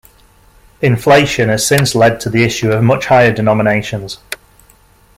Inflation has since led to the issue of much higher denominations.